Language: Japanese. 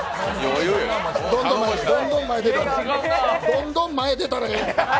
どんどん前出たらええ。